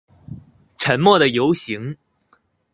沉默的遊行